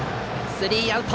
スリーアウト！